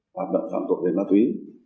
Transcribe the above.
hoạt động phạm tội về ma túy